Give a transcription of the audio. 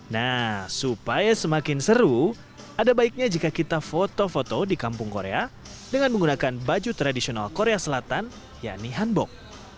nah supaya semakin seru ada baiknya jika kita foto foto di kampung korea dengan menggunakan baju tradisional korea selatan yakni hanbok